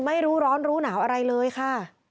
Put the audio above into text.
ไม่รู้ร้อนรู้หนาวอะไรเลยค่ะ